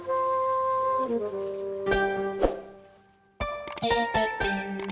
ya ada udah sampe